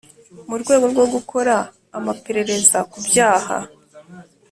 Mu rwego rwo gukora amaperereza ku byaha